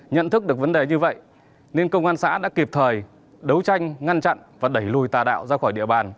nhận thức được vấn đề như vậy nên công an xã đã kịp thời đấu tranh ngăn chặn và đẩy lùi tà đạo ra khỏi địa bàn